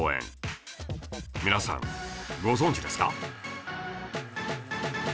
皆さんご存じですか？